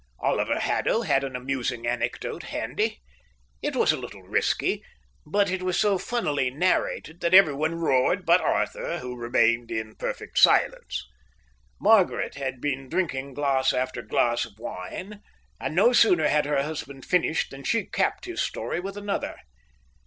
Oliver Haddo had an amusing anecdote handy. It was a little risky, but it was so funnily narrated that everyone roared but Arthur, who remained in perfect silence. Margaret had been drinking glass after glass of wine, and no sooner had her husband finished than she capped his story with another.